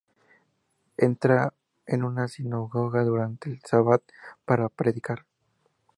Entra en una sinagoga durante el Sabbath para predicar.